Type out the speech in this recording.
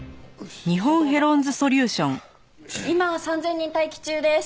今３０００人待機中です。